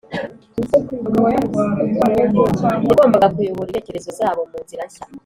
Yagombaga kuyobora intekerezo zabo mu nzira nshya